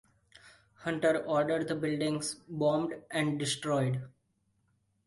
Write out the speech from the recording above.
Hunter ordered the buildings bombed and destroyed.